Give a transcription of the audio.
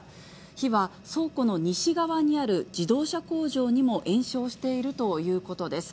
火は倉庫の西側にある自動車工場にも延焼しているということです。